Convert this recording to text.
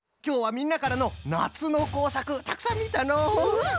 うん！